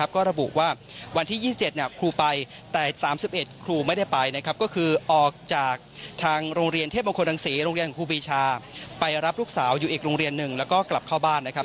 ก็ระบุว่าวันที่๒๗ครูไปแต่๓๑ครูไม่ได้ไปนะครับก็คือออกจากทางโรงเรียนเทพมงคลรังศรีโรงเรียนของครูปีชาไปรับลูกสาวอยู่อีกโรงเรียนหนึ่งแล้วก็กลับเข้าบ้านนะครับ